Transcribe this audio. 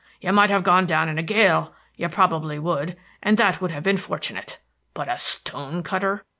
You might have gone down in a gale, you probably would, and that would have been fortunate. But a stone cutter!